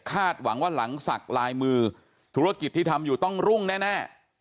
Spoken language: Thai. หวังว่าหลังศักดิ์ลายมือธุรกิจที่ทำอยู่ต้องรุ่งแน่